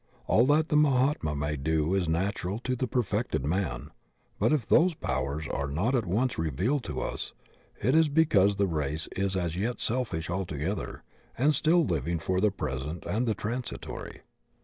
All that the Mahatma may do is natural to the perfected man; but if those powers are not at once revealed to us it is because the race is as yet selfish altogether and still living for the present and the transitory.